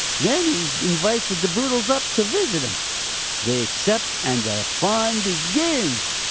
Then he invites the De Boodles up to visit him. They accept, and the fun begins.